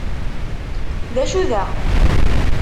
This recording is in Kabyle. D acu daɣen?